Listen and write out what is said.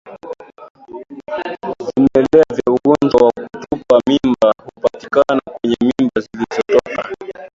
Vimelea vya ugonjwa wa kutupa mimba hupatikana kwenye mimba zilizotoka